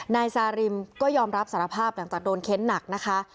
นายซาริมก็ยอมรับสารภาพหลังจากโดนเค้นหนักนะคะ